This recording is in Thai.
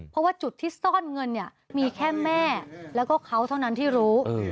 เพราะว่าจุดที่ซ่อนเงินเนี่ยมีแค่แม่แล้วก็เขาเท่านั้นที่รู้